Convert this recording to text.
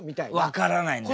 分からないんだよ